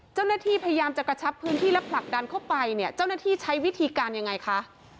เจ้าหน้าที่พยายามจะกระชับพื้นที่และผลักดันเข้าไปเนี่ยเจ้าหน้าที่ใช้วิธีการยังไงคะ